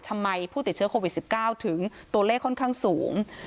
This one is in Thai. ผู้ติดเชื้อโควิด๑๙ถึงตัวเลขค่อนข้างสูง